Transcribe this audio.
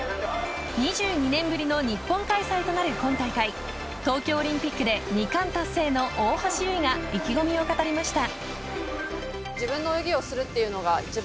２２年ぶりの日本開催となる今大会東京オリンピックで２冠達成の大橋悠依が意気込みを語りました。